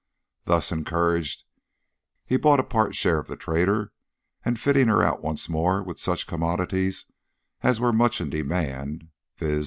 Thus encouraged, he bought a part share of the trader, and, fitting her out once more with such commodities as were most in demand (viz.